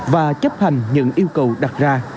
và chấp hành những yêu cầu đặt ra